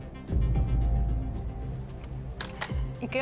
行くよ。